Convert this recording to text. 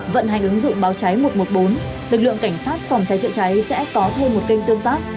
vận hành ứng dụng báo cháy một trăm một mươi bốn lực lượng cảnh sát phòng cháy chữa cháy sẽ có thêm một kênh tương tác